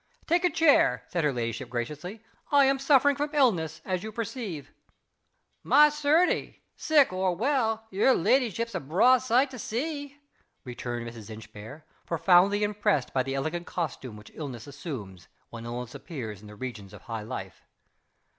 "Take a chair," said her ladyship, graciously. "I am suffering from illness, as you perceive." "My certie! sick or well, yer leddyship's a braw sight to see!" returned Mrs. Inchbare profoundly impressed by the elegant costume which illness assumes when illness appears in the regions of high life.